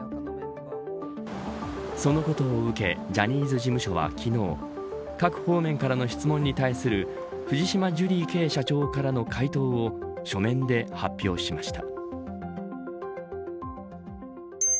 そのことを受けジャニーズ事務所は、昨日各方面からの質問に対する藤島ジュリーＫ．社長からの回答を書面で発表しました。